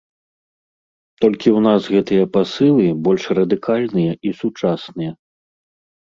Толькі ў нас гэтыя пасылы больш радыкальныя і сучасныя.